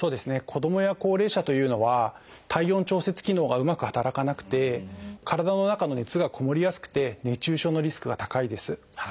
子どもや高齢者というのは体温調節機能がうまく働かなくて体の中の熱がこもりやすくて熱中症のリスクが高いです。